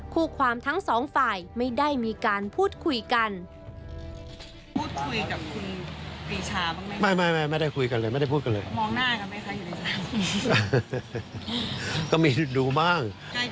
คู่ความทั้งสองฝ่ายไม่ได้มีการพูดคุยกัน